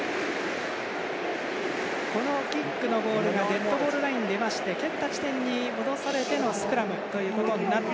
キックのボールがデッドボールラインを出まして蹴った地点に戻されてのスクラムということになって。